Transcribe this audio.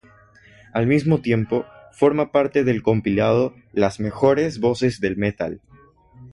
Al mismo tiempo forma parte del compilado "Las mejores voces del metal".